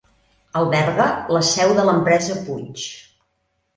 Alberga la seu de l'empresa Puig.